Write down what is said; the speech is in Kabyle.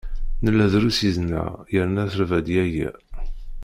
Nella drus yid-neɣ yerna terba-d yaya.